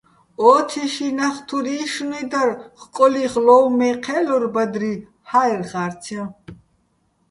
ო თიშიჼ ნახ თურ იშშნუჲ დარ, ხკოლი́ხ ლო́უმო̆ მე ჴე́ლორ ბადრი ჰაერ ხარცჲაჼ.